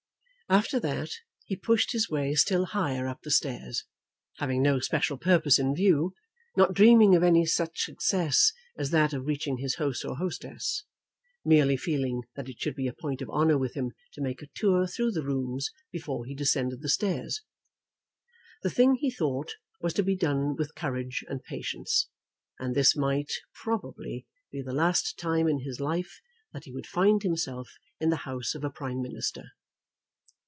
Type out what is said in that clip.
After that he pushed his way still higher up the stairs, having no special purpose in view, not dreaming of any such success as that of reaching his host or hostess, merely feeling that it should be a point of honour with him to make a tour through the rooms before he descended the stairs. The thing, he thought, was to be done with courage and patience, and this might, probably, be the last time in his life that he would find himself in the house of a Prime Minister.